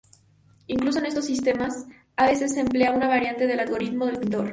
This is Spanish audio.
Incluso en estos sistemas, a veces se emplea una variante del algoritmo del pintor.